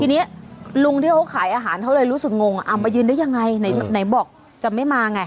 ทีนี้ลุงที่เขาขายอาหารเขาเลยรู้สึกงงเอามายืนได้ยังไงไหนบอกจะไม่มาไง